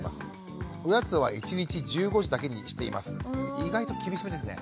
意外と厳しめですね。